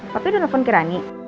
tapi udah nelfon kirani